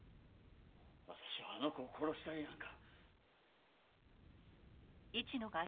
私はあの子を殺したりなんか。